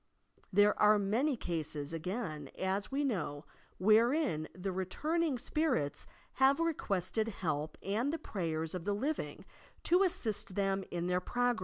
There are many eases, again, as we know, wherein the returning spirits have requested help and the prayers of the living to assist them in their progTes.